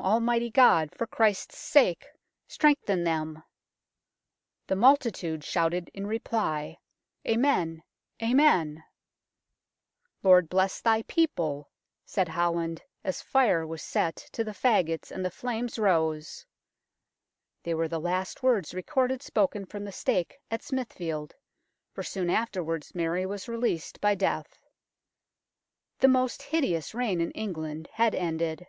Almighty God, for Christ's sake strengthen them !' The multitude shouted in reply, " Amen, Amen !"" Lord, bless Thy people," said Holland, as fire was set to the faggots and the flames rose. They were the last words recorded spoken from the stake at Smithfield, for soon afterwards Mary was released by death. The most hideous reign in England had ended.